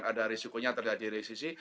ada risikonya terjadi resisi